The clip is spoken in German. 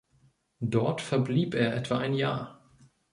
Dort verblieb er etwa ein Jahr.